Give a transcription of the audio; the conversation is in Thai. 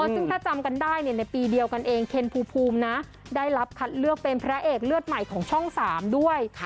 ซึ่งถ้าจำกันได้ในปีเดียวกันเองเคนภูมินะได้รับคัดเลือกเป็นพระเอกเลือดใหม่ของช่อง๓ด้วย